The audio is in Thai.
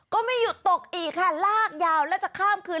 ก็ไม่หยุดตกอีกค่ะลากยาวแล้วจะข้ามคืน